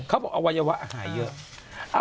เขาบอกว่าอวัยวะหายเยอะ